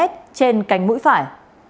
trên cánh mũi phải